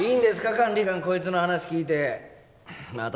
管理官こいつの話聞いてまた